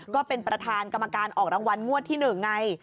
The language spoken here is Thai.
ก็เป็นประธานกรรมการออกรางวัลงวดที่๑ไง